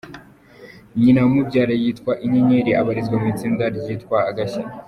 Nyina umubyara yitwa Inyenyeri abarizwa mu itsinda ryitwa Agashya.